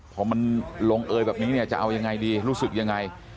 พอมันลงเอยแบบนี้เนี่ยจะเอายังไงดีรู้สึกยังไง